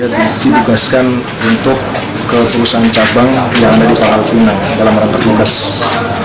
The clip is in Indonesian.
dia diugaskan untuk ke perusahaan cabang yang ada di pangkal pinang dalam perjelasan